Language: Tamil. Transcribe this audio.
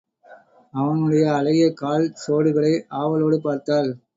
அவனுடைய அழகிய கால் சோடுகளை ஆவலோடு பார்த்தாள்.